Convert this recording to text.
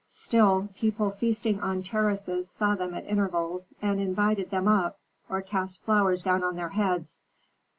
Still, people feasting on terraces saw them at intervals, and invited them up, or cast flowers down on their heads.